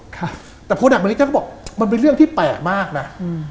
ครับแต่พูดอันนี้เขาก็บอกมันเป็นเรื่องที่แปลกมากนะอืม